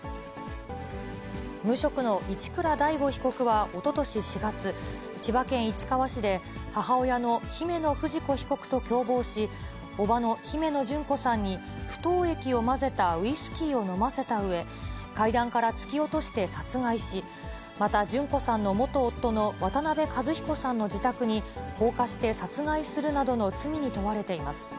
無職の一倉大悟被告はおととし４月、千葉県市川市で、母親の姫野富士子被告と共謀し、伯母の姫野旬子さんに不凍液を混ぜたウイスキーを飲ませたうえ、階段から突き落として殺害し、また旬子さんの元夫の渡辺和彦さんの自宅に放火して殺害するなどの罪に問われています。